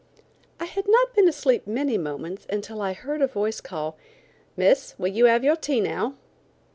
I had not been asleep many moments until I heard a voice call: "Miss, will you have your tea now?"